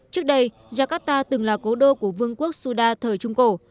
trước đây jakarta từng là cố đô của vương quốc suda thời trung cổ